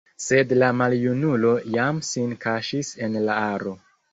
Sed la maljunulo jam sin kaŝis en la aro.